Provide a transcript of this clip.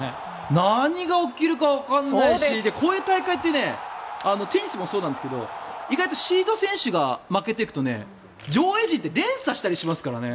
何が起きるかわからないしこういう大会ってテニスもそうなんですけど意外とシード選手が負けていくと上位陣って連鎖したりしますからね。